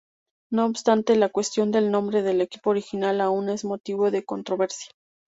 No obstante, la cuestión del nombre del equipo original aún es motivo de controversia.